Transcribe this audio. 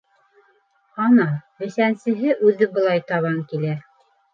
Ана, бесәнсеһе үҙе былай табан килә.